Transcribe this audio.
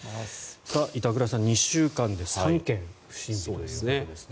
板倉さん、２週間で３件不審火ということですね。